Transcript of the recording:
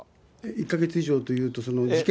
１か月以上というと、その事件？